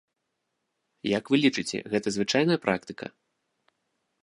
Як вы лічыце, гэта звычайная практыка?